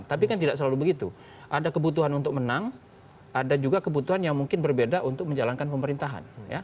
tapi kan tidak selalu begitu ada kebutuhan untuk menang ada juga kebutuhan yang mungkin berbeda untuk menjalankan pemerintahan